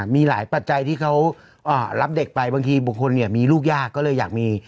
มีหลายปัจจัยที่เขารับเด็กไปบางทีบุคคลมีลูกยากก็เลยอยากมี